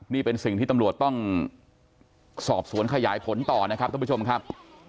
นี่เป็นสิ่งที่ตำรวจต้องสอบสวนขยายผลต่อนะครับท่านผู้ชมครับ